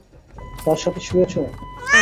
তার সাথে শুয়েছ?